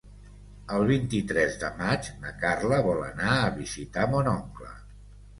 El vint-i-tres de maig na Carla vol anar a visitar mon oncle.